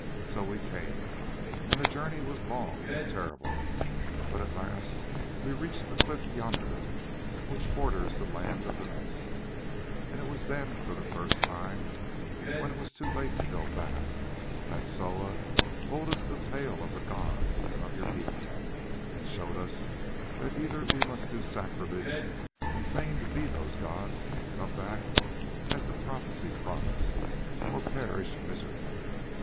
So we came, and the journey was long and terrible, but at last we reached the cliff yonder which borders the Land of Mist, and it was then for the first time, when it was too late to go back, that Soa told us the tale of the gods of your people, and showed us that either we must do sacrilege and feign to be those gods come back, as the prophecy promised, or perish miserably.